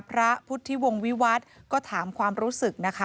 พระพุทธิวงศ์วิวัฒน์ก็ถามความรู้สึกนะคะ